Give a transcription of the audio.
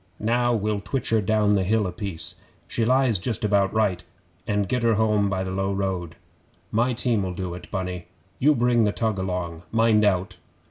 Now we'll twitch her down the hill a piece she lies just about right and get her home by the low road. My team'll do it, Bunny; you bring the tug along. Mind out!